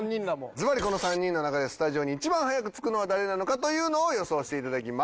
ズバリこの３人の中でスタジオに一番早く着くのは誰なのかというのを予想して頂きます。